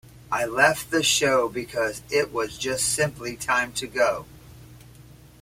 I left the show because it was just simply time to go.